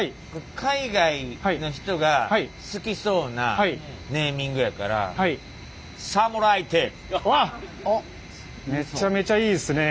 海外の人が好きそうなネーミングやからめっちゃめちゃいいですねえ。